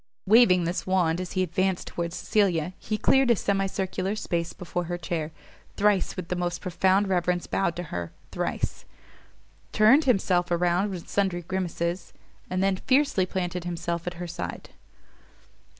Waving this wand as he advanced towards Cecilia, he cleared a semi circular space before her chair, thrice with the most profound reverence bowed to her, thrice turned himself around with sundry grimaces, and then fiercely planted himself at her side.